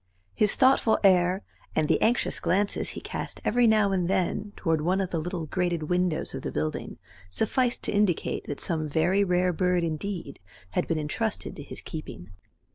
His thoughtful air, and the anxious glances he cast every now and then toward one of the little grated windows of the building sufficed to indicate that some very rare bird indeed had been entrusted to his keeping.